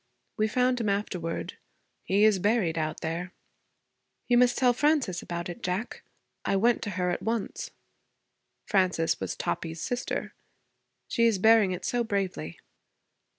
'We found him afterwards. He is buried out there.' 'You must tell Frances about it, Jack. I went to her at once.' Frances was Toppie's sister. 'She is bearing it so bravely.'